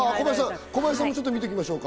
小林さんも見ておきましょうか。